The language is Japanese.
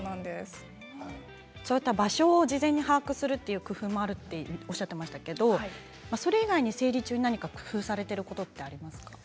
場所を事前に把握するという工夫もあるとおっしゃってましたけどそれ以外に生理中に何か工夫されていることってありますか？